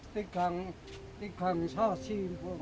tidak tidak bisa sih